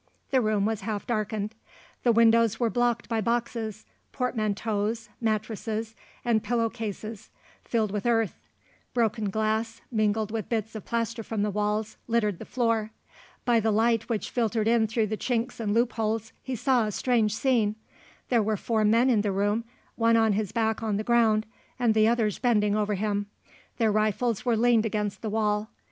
The room was half darkened. The windows were blocked by boxes, portmanteaus, mattresses, and pillow cases filled with earth; broken glass, mingled with bits of plaster from the walls, littered the floor. By the light which filtered in through the chinks and loopholes, he saw a strange scene. There were four men in the room; one on his back on the ground, and the others bending over him. Their rifles were leaned against the wall.